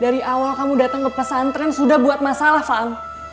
dari awal kamu datang ke pesantren sudah buat masalah faan